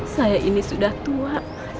saya ini sudah tua